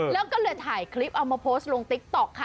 แล้วก็เลยถ่ายคลิปเอามาโพสต์ลงติ๊กต๊อกค่ะ